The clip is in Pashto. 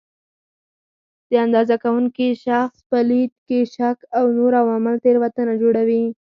د اندازه کوونکي شخص په لید کې شک او نور عوامل تېروتنه جوړوي.